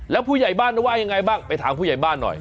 แล้วผู้ใหญ่บ้านว่ายังไงบ้างไปถามผู้ใหญ่บ้านหน่อย